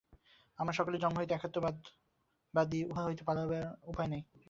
আমরা সকলেই জন্ম হইতে একত্ববাদী, উহা হইতে পলাইবার উপায় নাই।